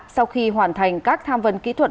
sau khi hoàn thành các tham vấn kỹ thuật